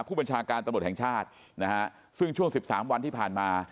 ผู้บัญชาการตำรวจแห่งชาตินะฮะซึ่งช่วง๑๓วันที่ผ่านมา